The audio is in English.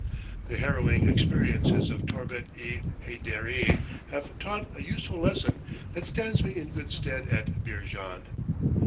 The harrowing experiences of Torbet i Haiderie have taught a useful lesson that stands me in good stead at Beerjand.